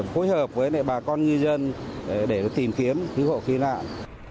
phối hợp với bà con người dân để tìm kiếm cứu hộ khí nạn